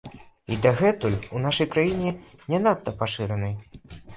І дагэтуль у нашай краіне не надта пашыранай.